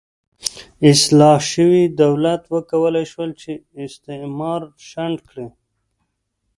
اصلاح شوي دولت وکولای شول چې استعمار شنډ کړي.